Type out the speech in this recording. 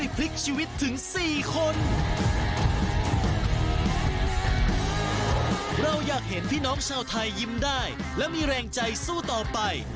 พวกไทยยิ้มได้และมีแรงใจสู้ต่อไป